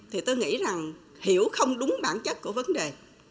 hiểu không đúng bản chất của vấn đề